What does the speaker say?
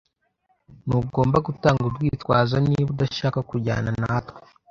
Ntugomba gutanga urwitwazo niba udashaka kujyana natwe.